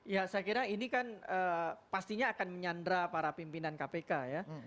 ya saya kira ini kan pastinya akan menyandra para pimpinan kpk ya